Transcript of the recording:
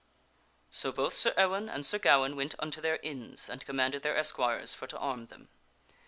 So both Sir Ewaine and Sir Gawaine went unto their inns and com manded their esquires for to arm them.